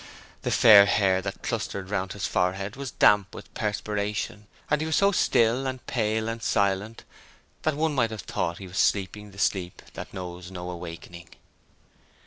The fair hair that clustered round his forehead was damp with perspiration, and he was so still and pale and silent that one might have thought he was sleeping the sleep that knows no awakening.